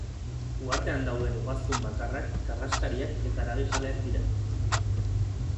Uhartean dauden ugaztun bakarrak karraskariak eta haragijaleak dira.